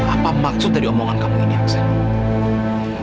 apa maksud dari omongan kamu ini absen